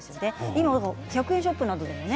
今、１００円ショップなどでもね。